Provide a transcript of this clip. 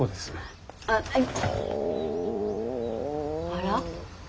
あら？